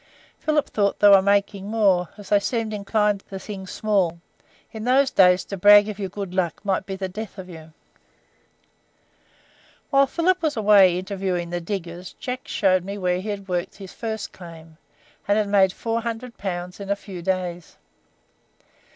Philip thought they were making more, as they seemed inclined to sing small; in those days to brag of your good luck might be the death of you. While Philip was away interviewing the diggers, Jack showed me where he had worked his first claim, and had made 400 pounds in a few days.